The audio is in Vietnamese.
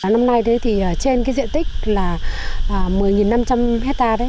năm nay trên diện tích một mươi năm trăm linh hectare